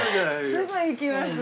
すぐ行きます！